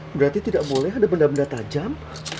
berarti tidak boleh ada benda benda tajam